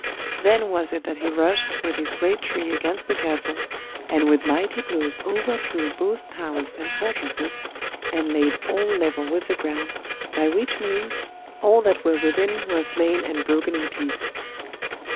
Then was it that he rushed with his great tree against the castle, and with mighty blows overthrew both towers and fortresses, and laid all level with the ground, by which means all that were within were slain and broken in pieces.